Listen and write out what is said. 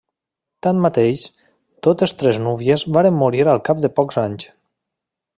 Tanmateix, totes tres núvies varen morir al cap de pocs anys.